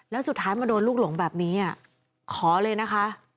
แล้วสุดท้ายมาโดนลูกหลงแบบนี้ขอเลยนะคะ